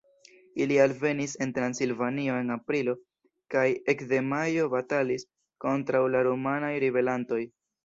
Ili alvenis en Transilvanio en aprilo kaj ekde majo batalis kontraŭ la rumanaj ribelantoj.